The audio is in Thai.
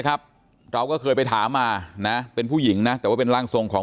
ครับเราก็เคยไปถามมานะเป็นผู้หญิงนะแต่ว่าเป็นร่างทรงของ